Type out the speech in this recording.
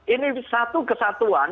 ini satu kesatuan